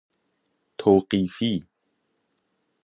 توقیفی